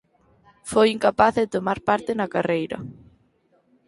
Foi incapaz de tomar parte na carreira.